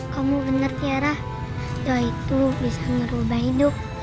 kamu bener tiara doa itu bisa ngerubah hidup